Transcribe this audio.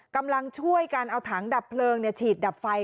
กำลังช่วยกันเอาถังดับเพลิงฉีดดับไฟ